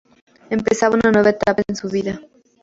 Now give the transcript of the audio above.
Empezaba una nueva etapa en su vida.